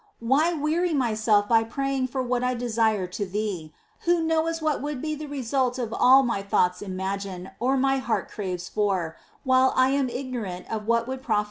Why weary myself by praying for what I desire to Thee, Who knowest what would be the result of all my thoughts imagine or my heart craves for, while I am ignorant of what would profit me